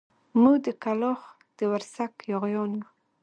موږ د کلاخ د ورسک ياغيان يو.